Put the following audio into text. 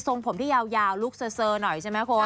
ที่ทรงผมที่ยาวลูกเฉินหน่อยใช่ไหมคุณ